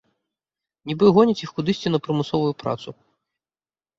Нібы гоняць іх кудысьці на прымусовую працу.